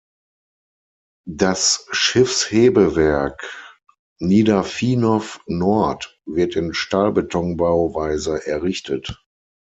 Das Schiffshebewerk Niederfinow Nord wird in Stahlbetonbauweise errichtet.